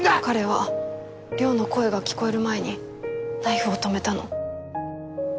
彼は稜の声が聞こえる前にナイフを止めたの。